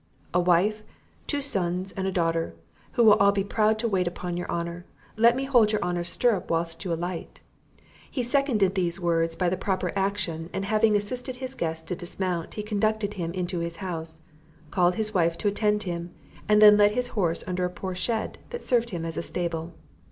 "A wife, two sons and a daughter, who will all be proud to wait upon your honour; let me hold your honour's stirrup whilst you alight." He seconded these words by the proper action, and having assisted his guest to dismount, he conducted him into his house, called his wife to attend him, and then led his horse under a poor shed, that served him as a stable.